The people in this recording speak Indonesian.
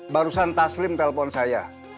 barusan taslim telepon saya